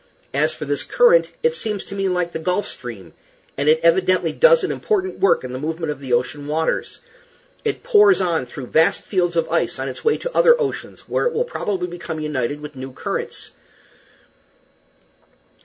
As for this current, it seems to me like the Gulf Stream, and it evidently does an important work in the movement of the ocean waters. It pours on through vast fields of ice on its way to other oceans, where it will probably become united with new currents.